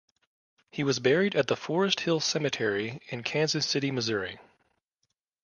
He was buried at the Forest Hill Cemetery in Kansas City, Missouri.